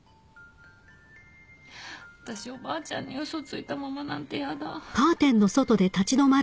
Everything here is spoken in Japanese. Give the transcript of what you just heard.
私おばあちゃんに嘘ついたままなんてやだ。